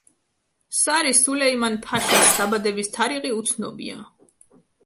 სარი სულეიმან-ფაშას დაბადების თარიღი უცნობია.